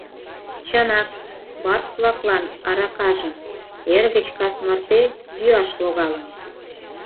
Чынак, барс-влаклан аракажым эр гыч кас марте йӱаш логалын.